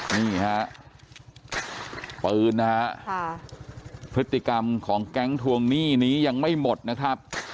นี่ฮะปืนนะฮะพฤติกรรมของแก๊งทวงหนี้นี้ยังไม่หมดนะครับ